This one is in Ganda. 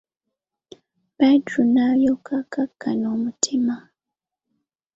Badru n'alyoka akakkana omutima.